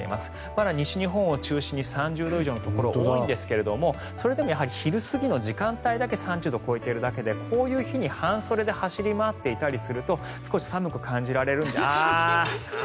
まだ西日本を中心に３０度以上のところが多いんですがそれでも昼過ぎの時間帯だけ３０度を超えているだけでこういう日に半袖で走り回っていたりすると少し寒く感じられる。